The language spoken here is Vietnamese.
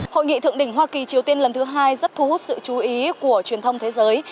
hội nghị thượng đỉnh hoa kỳ triều tiên lần thứ hai rất thu hút sự chú ý của truyền thông thế giới